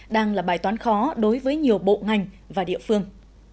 đang là bài toán khó đối với nhiều bộ ngành và địa phương